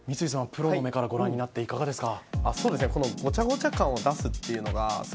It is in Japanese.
プロの目からご覧になっていかがですか？